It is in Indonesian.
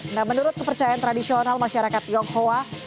nah menurut kepercayaan tradisional masyarakat tionghoa